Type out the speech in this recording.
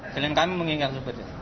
klien kami mengingat seperti itu